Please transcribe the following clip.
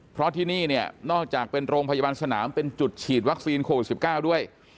เพราะที่นี่เนี่ยนอกจากเป็นโรงพยาบาลสนามเป็นจุดฉีดวัคซีนโควิด๑๙ด้วย